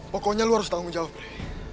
pokoknya lo harus tanggung jawab deh